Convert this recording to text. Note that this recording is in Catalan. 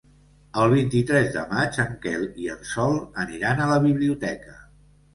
El vint-i-tres de maig en Quel i en Sol aniran a la biblioteca.